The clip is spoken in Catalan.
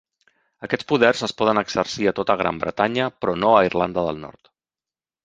Aquests poders es poden exercir a tota Gran Bretanya, però no a Irlanda del Nord.